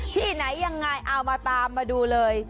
ที่ไหนยังไงเอามาตามมาดูเลย